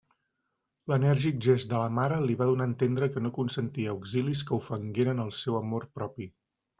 L'enèrgic gest de la mare li va donar a entendre que no consentia auxilis que ofengueren el seu amor propi.